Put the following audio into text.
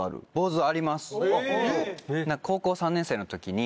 高校３年生の時に。